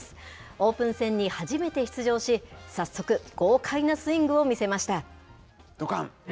オープン戦に初めて出場し、早速、豪快なスイングを見せました。